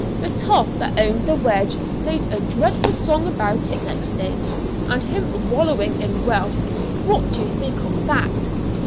The 'toff' that owned the 'wedge' made a dreadful song about it next day, and him wallowing in wealth, what do you think of that?